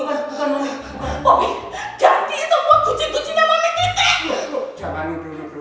ganti semua cuci cucinya mami kise